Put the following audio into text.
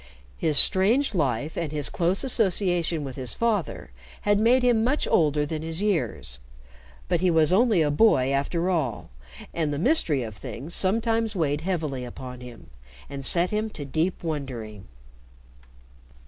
His strange life and his close association with his father had made him much older than his years, but he was only a boy, after all, and the mystery of things sometimes weighed heavily upon him, and set him to deep wondering.